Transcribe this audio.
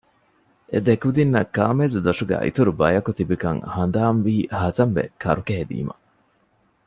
އެ ދެކުދިންނަށް ކާމޭޒުދޮށުގައި އިތުރު ބަޔަކު ތިބިކަން ހަނދާންވީ ހަސަންބެ ކަރުކެހިލީމަ